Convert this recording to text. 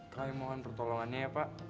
kami mohon pertolongannya ya pak